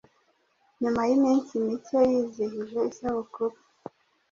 nyuma y’iminsi mike yizihije isabukuru